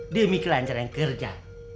demi kelanjuran kerja